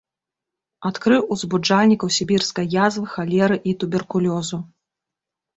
Адкрыў узбуджальнікаў сібірскай язвы, халеры і туберкулёзу.